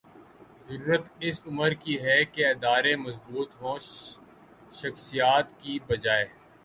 ضرورت اس امر کی ہے کہ ادارے مضبوط ہوں ’’ شخصیات ‘‘ کی بجائے